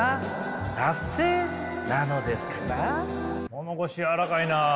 物腰柔らかいな。